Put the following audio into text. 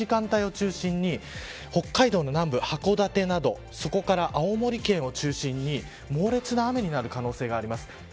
あしたの明け方暗い時間帯を中心に北海道の南部、函館などそこから青森県を中心に猛烈な雨になる可能性があります。